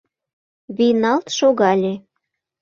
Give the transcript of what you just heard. Вийналт шогале.